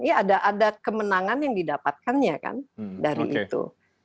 ya ada kemenangan yang didapatkannya kan dari itu